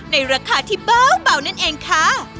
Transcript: ในราคาที่เบานั่นเองค่ะ